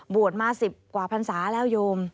มา๑๐กว่าพรรษาแล้วโยม